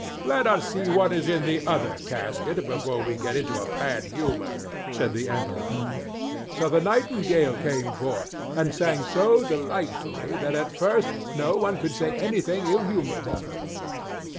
"Let us see what is in the other casket, before we get into a bad humor," said the Emperor. So the nightingale came forth and sang so delightfully that at first no one could say anything ill humored of her.